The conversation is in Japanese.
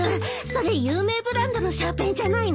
それ有名ブランドのシャーペンじゃないの？